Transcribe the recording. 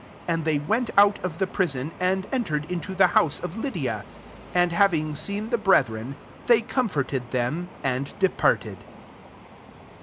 40 And they went out of the prispn, and entered into the house of l^ydi^ : and, having seen the brethren, they com forted them, and departed.